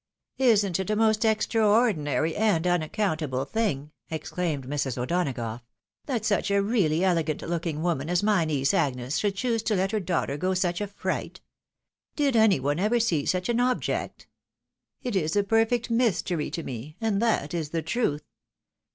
" Isn't it a most extraordinary and unaccountable thing," exclaimed Mrs. O'Donagough, "that such a really elegant PATTY DEFIES EVERYBODY. Ill looking woman as my niece Agnes, should choose to let her daughter go such a fright? Did any one ever see such an object ? It is a perfect mystery to me ; and that is the truth."